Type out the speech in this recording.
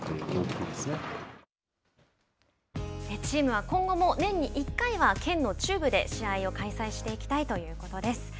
チームは今後も年に１回は県の中部で試合を開催していきたいということです。